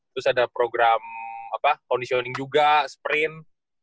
terus ada program conditioning juga sprint